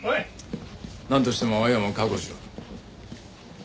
なんとしても青山を確保しろ。